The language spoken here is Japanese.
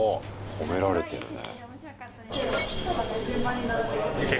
褒められてるね。